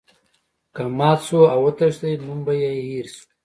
که مات شو او وتښتیدی نوم به یې هیر شو.